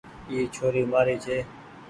اي ڇوري مآري ڇي۔